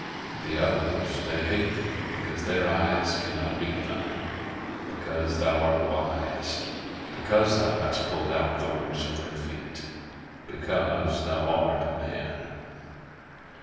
The others they hate thee because their eyes cannot meet thine; because thou art wise; because thou hast pulled out thorns from their feet because thou art a man."